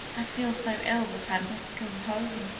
I feel so ill that I must go home.